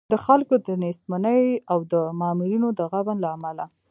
د خلکو د نېستمنۍ او د مامورینو د غبن له امله.